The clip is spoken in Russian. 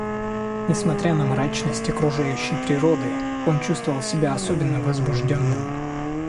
Несмотря на мрачность окружающей природы, он чувствовал себя особенно возбужденным.